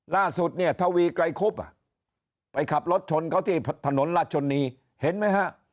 ล่าสุดเนี่ยทวีไกรคุบไปขับรถชนเขาที่ถนนราชนีเห็นไหมฮะ